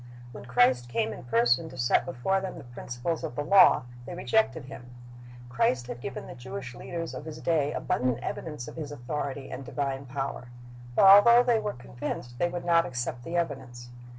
When Christ came in person to set before them the principles of the law, they rejected Him. Christ had given the Jewish leaders of His day abundant evidence of His authority and divine power, but although they were convinced, they would not accept the evidence.